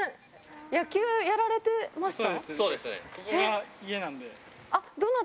野球やられてました？